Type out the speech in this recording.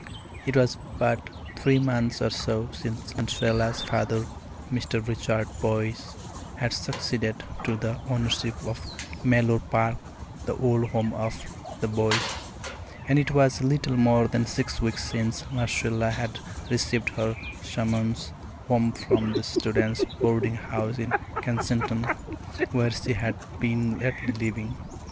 It was but three months or so since Marcella's father, Mr. Richard Boyce, had succeeded to the ownership of Mellor Park the old home of the Boyces, and it was little more than six weeks since Marcella had received her summons home from the students' boarding house in Kensington, where she had been lately living.